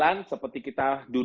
l enfin saya mendatang di también